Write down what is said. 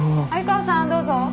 鮎川さんどうぞ。